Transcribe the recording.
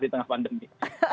di tengah pandemi